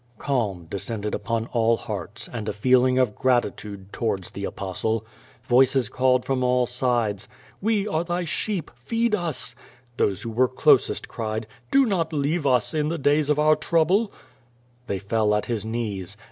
QVO VADIS. 337 Calm descended upon all hearts^ and a feeling of gratitude towards the Apostle. Voices called from all sides, "We are thy sheep; feed us!" Those who were closest cried, "Do not leave us, in the days of our trouble/' They fell at his knees.